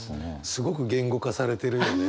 すごく言語化されてるよね。